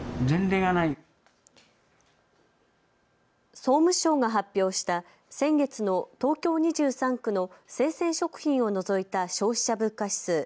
総務省が発表した先月の東京２３区の生鮮食品を除いた消費者物価指数。